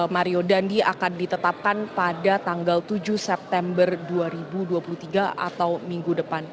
mario dandi akan ditetapkan pada tanggal tujuh september dua ribu dua puluh tiga atau minggu depan